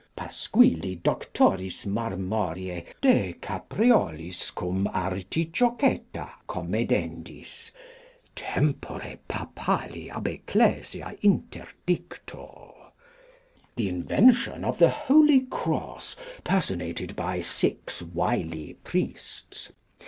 Pasquilli Doctoris Marmorei, de capreolis cum artichoketa comedendis, tempore Papali ab Ecclesia interdicto. The Invention of the Holy Cross, personated by six wily Priests.